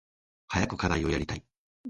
早く課題をやりたい。